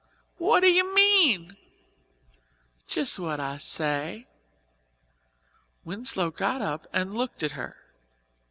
"What do you mean?" "Just what I say." Winslow got up and looked at her.